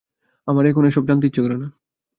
আমার এখন এ-সব জানতে ইচ্ছে করে না।